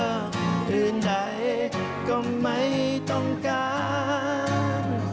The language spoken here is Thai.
หรือไหนก็ไม่ต้องการ